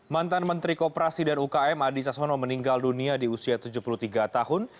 mantan menteri kooperasi dan ukm adi sasmono meninggal dunia di usia tujuh puluh tiga tahun